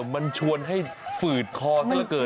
มันชวนให้ฝืดคอซะละเกิน